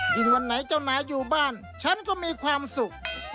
วันไหนเจ้านายอยู่บ้านฉันก็มีความสุข